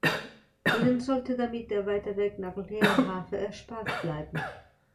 Ihnen sollte damit der weite Weg nach Leerhafe erspart bleiben.